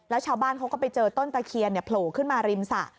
แล้วชาวบ้านเขาก็ไปเจอต้นตะเคียนโผล่ขึ้นมาริมสระ